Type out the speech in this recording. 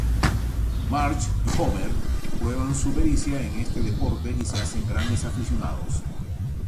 Marge y Homer prueban su pericia en este deporte y se hacen grandes aficionados.